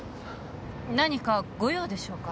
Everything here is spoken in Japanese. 何かご用でしょうか？